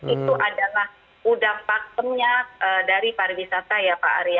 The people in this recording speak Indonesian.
itu adalah udang pakemnya dari pariwisata ya pak ari